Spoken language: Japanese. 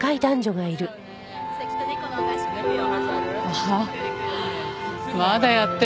あっまだやってるんだ。